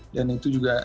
dan itu juga